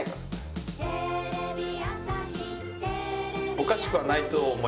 おかしくはないと思います。